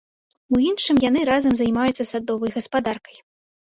У іншым яны разам займаюцца садовай гаспадаркай.